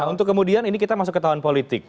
untuk kemudian ini kita masuk ke tahun politik